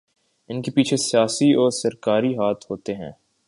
انکے پیچھے سیاسی و سرکاری ہاتھ ہوتے ہیں